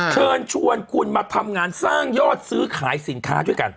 เชิญชวนคุณมาทำงานสร้างยอดซื้อขายสินค้าด้วยกัน